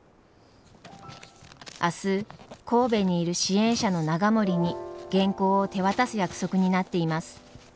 明日神戸にいる支援者の永守に原稿を手渡す約束になっています。